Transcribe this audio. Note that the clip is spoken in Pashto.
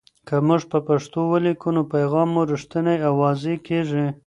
که موږ په پښتو ولیکو، نو پیغام مو رښتینی او واضح کېږي.